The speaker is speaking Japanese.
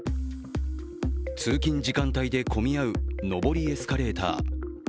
通勤時間帯で混み合う上りエスカレーター。